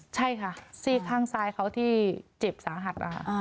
ใช่ค่ะซีกข้างซ้ายเขาที่เจ็บสาหัส